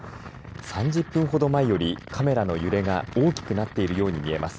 ３０分ほど前よりカメラの揺れが大きくなっているように見えます。